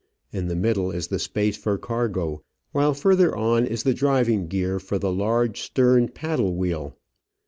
In the middle is the space for cargo, while further on is the driving gear for the large stern paddle wheel.